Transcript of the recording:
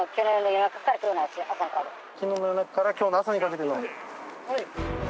昨日の夜中から今日の朝にかけて。